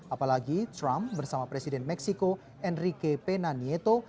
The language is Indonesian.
apalagi trump bersama presiden meksiko enrique pena nieto